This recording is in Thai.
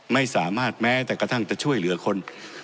ไม่สามารถแม้แต่กระทั่งจะช่วยเหลือคน